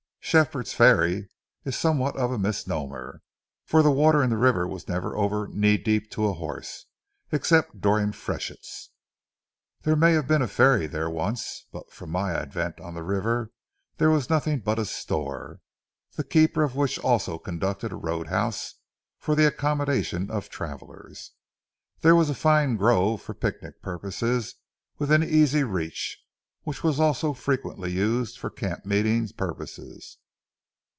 Shepherd's Ferry is somewhat of a misnomer, for the water in the river was never over knee deep to a horse, except during freshets. There may have been a ferry there once; but from my advent on the river there was nothing but a store, the keeper of which also conducted a road house for the accommodation of travelers. There was a fine grove for picnic purposes within easy reach, which was also frequently used for camp meeting purposes.